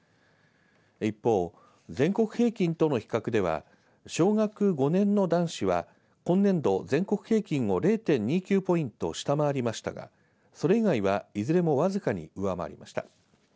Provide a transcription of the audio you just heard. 一方、全国平均との比較では小学５年の男子は今年度、全国平均を０．２９ポイント下回りましたがそれ以外はいずれもわずかに上回りました。